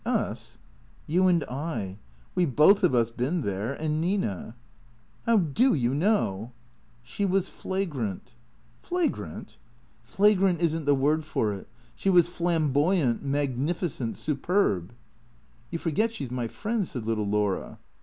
" Us ?"" You and I. We 've both of us been there. And Nina." " How do you know ?" T H E C R E A T 0 K S 101 " She was flagrant !"" Flagrant ?"" Flagrant is n't the word for it. She was flamboyant, mag nificent, superb !"" You forget she 's my friend," said little Laura.